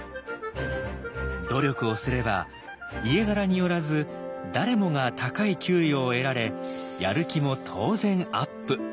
努力をすれば家柄によらず誰もが高い給与を得られやる気も当然アップ。